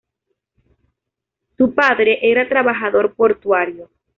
Su padre era trabajador portuario.